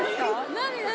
何何？